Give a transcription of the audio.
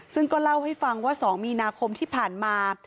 ซึ่งก็เล่าให้ฟังว่า๒มีนาคมที่ผ่านมา